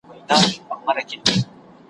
د غوړو ژبو لرونکي کسان مو کندي ته اچوي.